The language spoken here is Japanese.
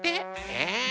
え？